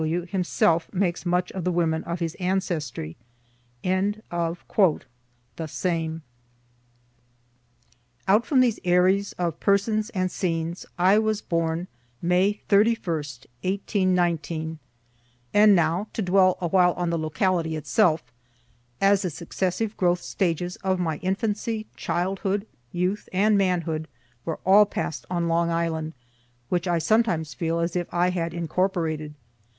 W. W. himself makes much of the women of his ancestry." The Same. Out from these arrieres of persons and scenes, I was born May 31, 1819. And now to dwell awhile on the locality itself as the successive growth stages of my infancy, childhood, youth and manhood were all pass'd on Long Island, which I sometimes feel as if I had incorporated.